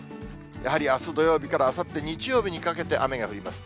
やはりあす土曜日からあさって日曜日にかけて、雨が降ります。